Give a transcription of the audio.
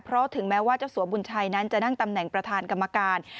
เพราะถึงแม้ว่าเจ้าสัวบุญชัยนั้นจะนั่งตำแหน่งประธานกรรมการ